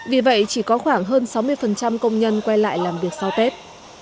vì vậy chỉ có khoảng hơn sáu mươi công nhân quay lại làm việc sau tết